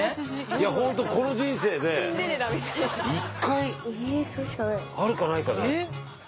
いやほんとこの人生で１回あるかないかじゃないですか。